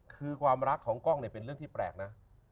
คือความรักของกล้องเนี่ยเป็นเรื่องที่แปลกนะ